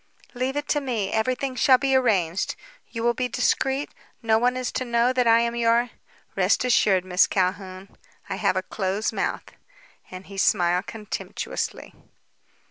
"Leave it to me. Everything shall be arranged. You will be discreet? No one is to know that I am your " "Rest assured, Miss Calhoun. I have a close mouth," and he smiled contemptuously.